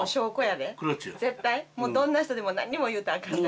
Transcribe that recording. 絶対もうどんな人でも何にも言うたらあかんで。